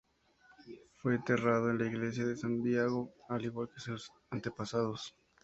Fue enterrado en la Iglesia de Santiago al igual que sus antepasados.